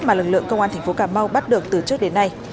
mà lực lượng công an tp cà mau bắt được từ trước đến nay